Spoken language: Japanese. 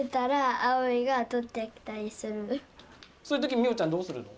そういうときみよちゃんどうするの？